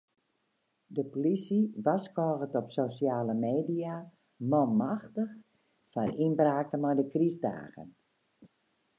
De polysje warskôget op sosjale media manmachtich foar ynbraken mei de krystdagen.